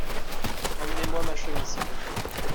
Emmenez-moi ma chemise s'il vous plait.